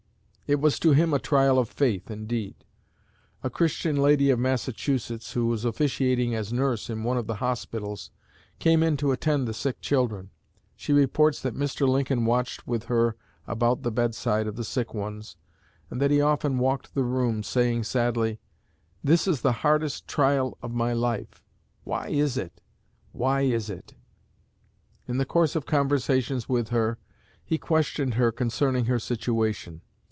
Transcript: It was to him a trial of faith, indeed. A Christian lady of Massachusetts, who was officiating as nurse in one of the hospitals, came in to attend the sick children. She reports that Mr. Lincoln watched with her about the bedside of the sick ones, and that he often walked the room, saying sadly: 'This is the hardest trial of my life. Why is it? Why is it?' In the course of conversations with her, he questioned her concerning her situation.